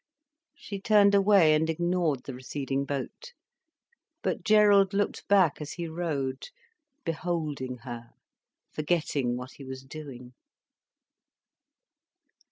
She turned away and ignored the receding boat. But Gerald looked back as he rowed, beholding her, forgetting what he was doing.